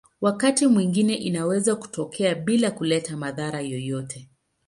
Wakati mwingine inaweza kutokea bila kuleta madhara yoyote.